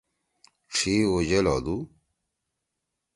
ڇھی اُجل ہودُو۔